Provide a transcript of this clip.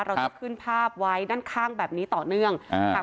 เราจะขึ้นภาพไว้ด้านข้างแบบนี้ต่อเนื่องอ่า